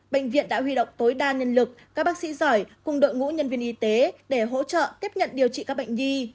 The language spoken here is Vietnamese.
bệnh viện đã huy động tối đa nhân lực các bác sĩ giỏi cùng đội ngũ nhân viên y tế để hỗ trợ tiếp nhận điều trị các bệnh nhi